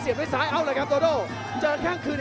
โอ้โหไม่พลาดกับธนาคมโดโด้แดงเขาสร้างแบบนี้